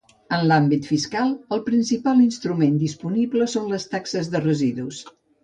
En l'àmbit fiscal, el principal instrument disponible són les taxes de residus.